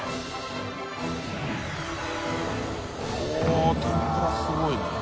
舛天ぷらすごいね。